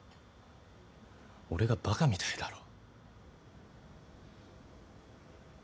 俺がばかみたいだろ。